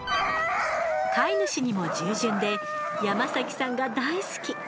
飼い主にも従順で山崎さんが大好き。